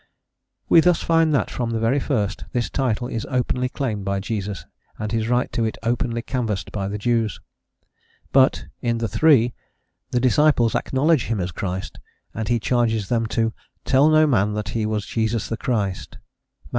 We thus find that, from the very first, this title is openly claimed by Jesus, and his right to it openly canvassed by the Jews. But in the three the disciples acknowledge him as Christ, and he charges them to "tell no man that he was Jesus the Christ" (Matt.